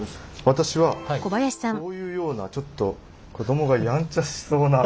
私はこういうようなちょっと子どもがやんちゃしそうな。